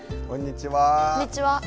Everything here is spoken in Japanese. こんにちは。